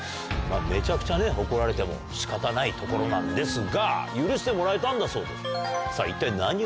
めちゃくちゃ怒られても仕方ないところなんですが許してもらえたんだそうです。